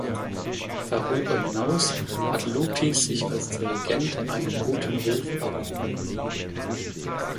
Darüber hinaus hat Lupi sich als Dirigent einen guten Ruf erworben.